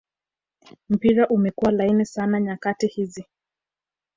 mpira umekua laini sana nyakati hizi